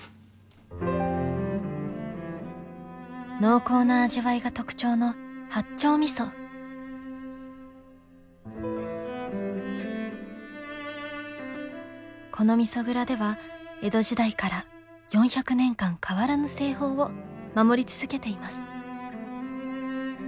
濃厚な味わいが特徴のこの味噌蔵では江戸時代から４００年間変わらぬ製法を守り続けています。